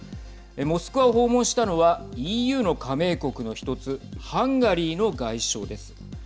モスクワを訪問したのはＥＵの加盟国の１つハンガリーの外相です。